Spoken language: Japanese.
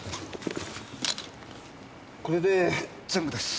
これで全部です。